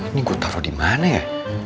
ini gue taruh di mana ya